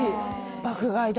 爆買いだ